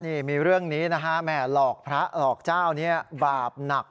นี่มีเรื่องนี้นะฮะแม่หลอกพระหลอกเจ้านี้บาปหนัก